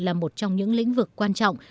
là một trong những lĩnh vực quan trọng